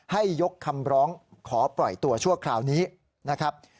ให้ยกคำร้องขอปล่อยตัวชั่วคราวนี้นะครับ